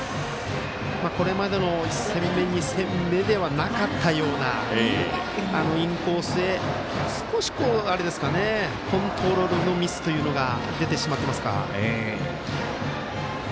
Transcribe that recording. これまでの１戦目２戦目ではなかったようなインコースへ少しコントロールのミスというのが出てしまってますか。